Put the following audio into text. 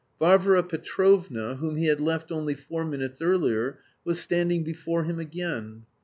Varvara Petrovna, whom he had left only four minutes earlier, was standing before him again.